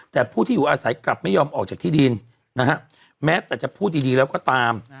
แต่ผู้ที่อยู่อาศัยกลับไม่ยอมออกจากที่ดินนะฮะแม้แต่จะพูดดีแล้วก็ตาม